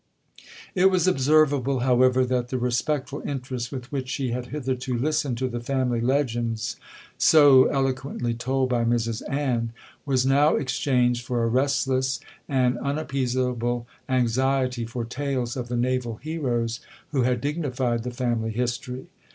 'It was observable, however, that the respectful interest with which she had hitherto listened to the family legends so eloquently told by Mrs Ann, was now exchanged for a restless and unappeaseable anxiety for tales of the naval heroes who had dignified the family history.